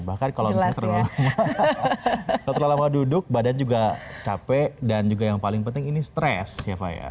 bahkan kalau misalnya terlalu lama duduk badan juga capek dan juga yang paling penting ini stres ya pak ya